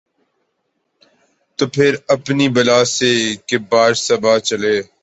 تو پھر اپنی بلا سے کہ باد صبا چلے۔